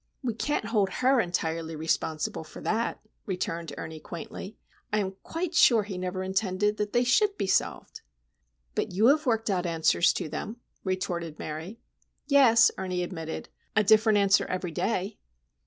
"We can't hold her entirely responsible for that," returned Ernie, quaintly. "I am quite sure he never intended they should be solved." "But you have worked out answers to them," retorted Mary. "Yes," Ernie admitted: "a different answer every day."